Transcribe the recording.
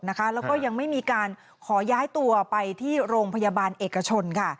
แล้วก็ยังไม่มีการขอย้ายตัวไปที่โรงพยาบาลเอกชนค่ะ